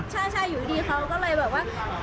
ใช่อยู่ดีเขาก็เลยแบบว่า